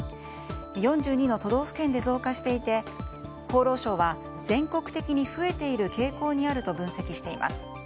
４２の都道府県で増加していて厚労省は、全国的に増えている傾向にあると分析しています。